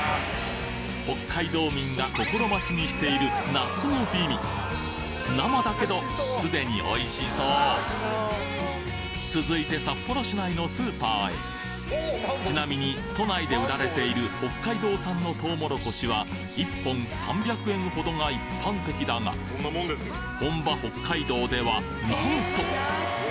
北海道民が心待ちにしている夏の美味生だけどすでに続いて札幌市内のスーパーへちなみに都内で売られている北海道産のとうもろこしは１本３００円ほどが一般的だが本場・北海道ではなんと！